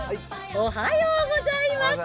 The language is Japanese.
おはようございます。